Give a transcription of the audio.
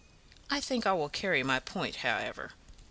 I think I will carry my point, however."